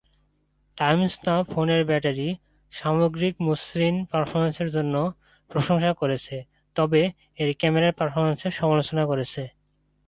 Times Now ফোনের battery, সামগ্রিক মসৃণ পারফরম্যান্সের জন্য প্রশংসা করেছে তবে এর ক্যামেরার পারফরম্যান্সের সমালোচনা করেছে।